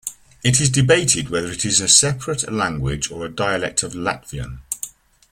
It is debated whether it is a separate language or a dialect of Latvian.